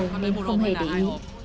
nên không hề để ý